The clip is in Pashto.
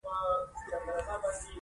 هغه اس ته د ځغاستې تمرین ورکاوه.